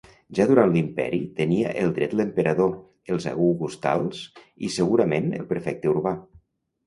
Ja durant l'Imperi tenia el dret l'emperador, els augustals, i segurament el prefecte urbà.